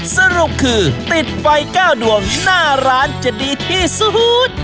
สรุปคือติดไฟ๙ดวงหน้าร้านจะดีที่สุด